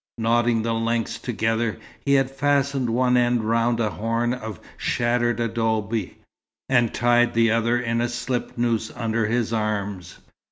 Knotting the lengths together, he had fastened one end round a horn of shattered adobe, and tied the other in a slip noose under his arms.